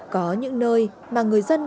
có những nơi mà người dân